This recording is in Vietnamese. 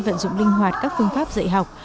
vận dụng linh hoạt các phương pháp dạy học